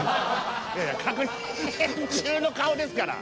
確認中の顔ですから。